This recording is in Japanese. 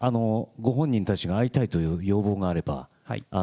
ご本人たちが会いたいという要望があれば。